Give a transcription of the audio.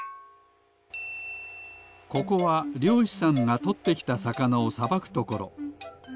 ここはりょうしさんがとってきたさかなをさばくところ。